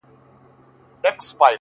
هغه اوس گل كنـدهار مـــاتــه پــرېــږدي’